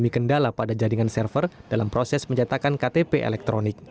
mengalami kendala pada jaringan server dalam proses pencetakan ktp elektronik